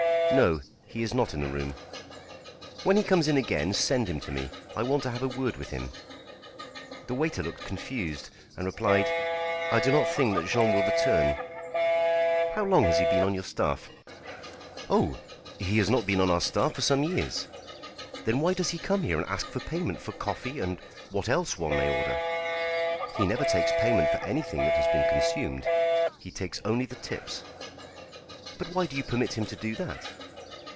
"No, he is not in the room." "When he comes in again, send him to me. I want to have a word with him." The waiter looked confused, and replied: "I do not think that Jean will return." "How long has he been on your staff?" "Oh! he has not been on our staff for some years." "Then why does he come here and ask for payment for coffee and what else one may order?" "He never takes payment for anything that has been consumed. He takes only the tips." "But why do you permit him to do that?"